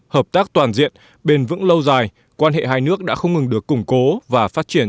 hợp tác toàn diện bền vững lâu dài quan hệ hai nước đã không ngừng được củng cố và phát triển